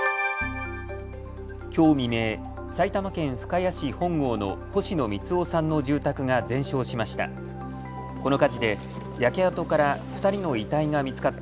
きょう未明、埼玉県深谷市本郷の星野光男さんの住宅が全焼しました。